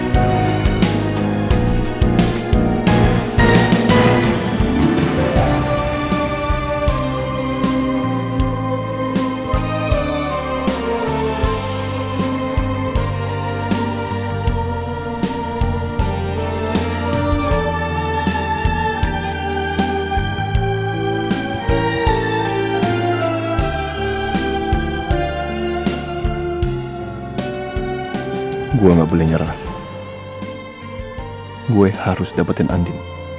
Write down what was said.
kamu pegang sini